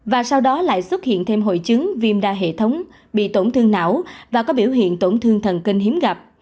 và sau đó lại xuất hiện thêm hội chứng viêm đa hệ thống bị tổn thương não và có biểu hiện tổn thương thần kinh hiếm gặp